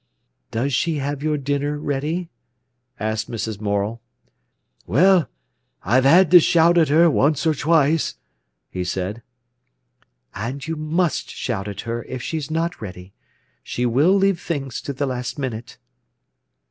"Does she have your dinner ready?" asked Mrs. Morel. "Well, I've 'ad to shout at 'er once or twice," he said. "And you must shout at her if she's not ready. She will leave things to the last minute."